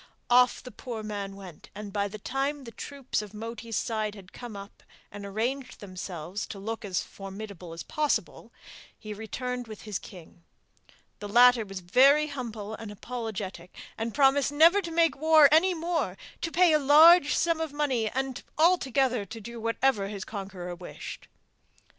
Off the poor man went, and by the time the troops of Moti's side had come up and arranged themselves to look as formidable as possible, he returned with his king. The latter was very humble and apologetic, and promised never to make war any more, to pay a large sum of money, and altogether do whatever his conqueror wished.